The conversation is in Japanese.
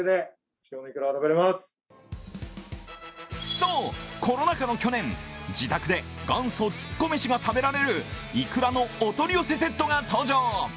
そう、コロナ禍の去年自宅で元祖つっこ飯が食べられるイクラのお取り寄せセットが登場。